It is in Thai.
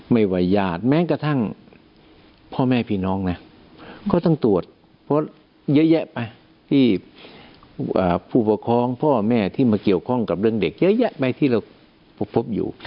ไม่ว่าญาติแม้กระทั่งพ่อแม่พี่น้องนะก็ต้องตรวจเพราะเยอะแยะไปที่ผู้ปกครองพ่อแม่ที่มาเกี่ยวข้องกับเรื่องเด็กเยอะแยะไปที่เราพบอยู่